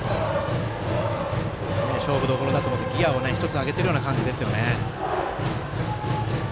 勝負どころだと思ってギヤを１つ上げている感じですね。